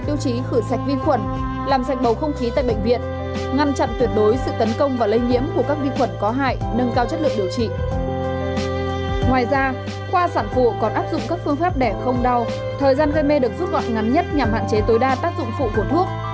thời gian gây mê được rút gọn ngắn nhất nhằm hạn chế tối đa tác dụng phụ của thuốc